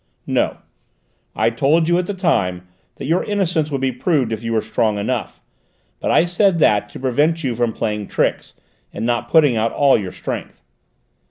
"No. I told you at the time that your innocence would be proved if you were strong enough, but I said that to prevent you from playing tricks and not putting out all your strength.